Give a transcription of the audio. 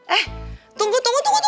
eh tunggu tunggu tunggu